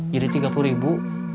jadi tiga puluh ribu